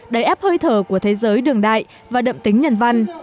đẩy ép hơi thở của thế giới đường đại và đậm tính nhận văn